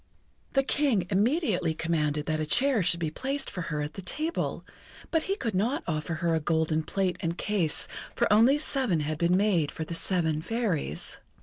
The King immediately commanded that a chair should be placed for her at the table, but he could not offer her a golden plate and case, for only seven had been made for the seven Fairies.